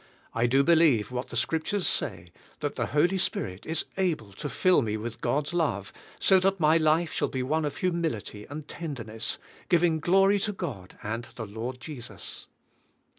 I do believe what the Scriptures 86 THE SPIRITUAL LIFE. say, that tlie Holy Spirit is able to fill me with God's love so that my life shall be one of humility and tenderness, g iving* glory to God and the Lord Jesus.